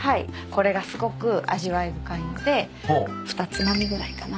これがすごく味わい深いので２つまみぐらいかな。